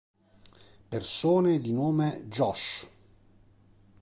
Persone di nome Josh